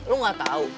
lo gak tau